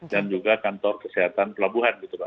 dan juga kantor kesehatan pelabuhan gitu pak